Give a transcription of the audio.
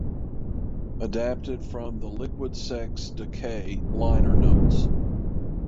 Adapted from the "Liquid Sex Decay" liner notes.